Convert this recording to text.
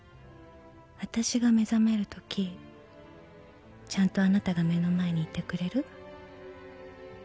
あたしが目覚めるときちゃんとあなたが目の前にいてくれる？